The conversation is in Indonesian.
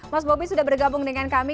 mas bobi sudah bergabung dengan kami